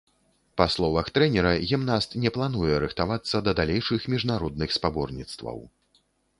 Па словах трэнера, гімнаст не плануе рыхтавацца да далейшых міжнародных спаборніцтваў.